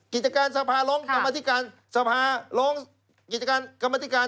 กิจการสภาร้องกรรมธิการสภาร้องกิจการกรรมธิการ